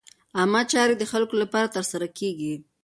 عامه چارې د خلکو لپاره ترسره کېږي.